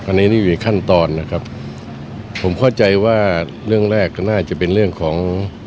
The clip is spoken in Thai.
อันนี้นี่อยู่ในขั้นตอนนะครับผมเข้าใจว่าเรื่องแรกก็น่าจะเป็นเรื่องของ